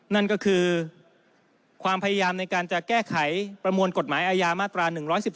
นั่นก็คือความพยายามในการจะแก้ไขประมวลกฎหมายอาญามาตรา๑๑๒